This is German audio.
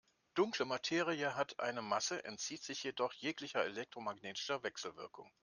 Dunkle Materie hat eine Masse, entzieht sich jedoch jeglicher elektromagnetischer Wechselwirkung.